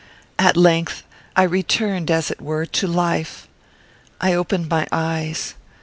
At length, I returned as it were to life. I opened my eyes.